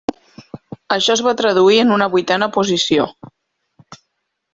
Això es va traduir en una vuitena posició.